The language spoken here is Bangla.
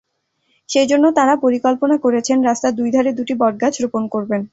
সেই জন্য তাঁরা পরিকল্পনা করেছেন, রাস্তার দুই ধারে দুটি বটগাছ রোপণ করবেন।